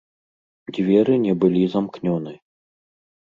Дзверы не былі замкнёны.